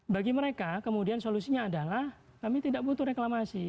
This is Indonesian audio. bagi mereka kemudian solusinya adalah kami tidak butuh reklamasi